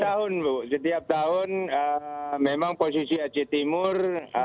setiap tahun bu setiap tahun memang posisi aceh timur